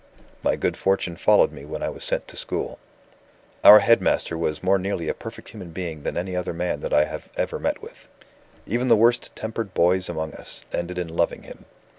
"My good fortune followed me when I was sent to school. "Our head master was more nearly a perfect human being than any other man that I have ever met with. Even the worst tempered boys among us ended in loving him.